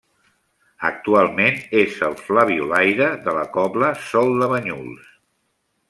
Actualment és el flabiolaire de la cobla Sol de Banyuls.